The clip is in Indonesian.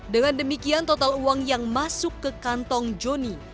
dengan demikian total uang yang masuk ke kantong joni